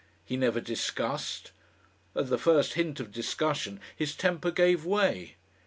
He never discussed. At the first hint of discussion his temper gave way.